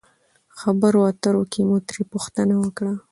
خبرو اترو کښې مو ترې پوښتنه وکړه